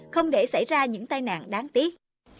không để xảy ra những tai nạn đáng tiếc